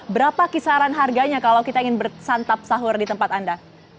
berapa kisaran harganya kalau kita ingin bersantap sahur di tempat anda